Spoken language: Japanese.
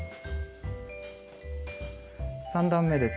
３段めです。